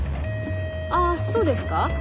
あっそうですか？